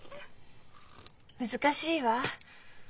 難しいわ。